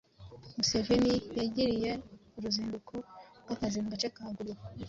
Museveni yagiriye uruzinduko rw’akazi mu gace ka Gulu